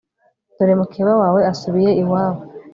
dore mukeba wawe asubiye iwabo